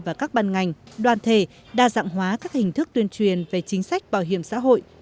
và các ban ngành đoàn thể đa dạng hóa các hình thức tuyên truyền về chính sách bảo hiểm xã hội